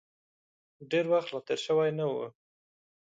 ډېر وخت لا تېر شوی نه و.